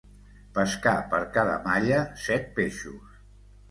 Pescar per cada malla set peixos.